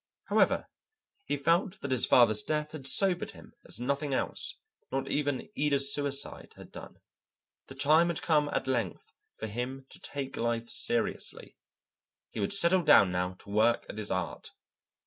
However, he felt that his father's death had sobered him as nothing else, not even Ida's suicide, had done. The time was come at length for him to take life seriously. He would settle down now to work at his art.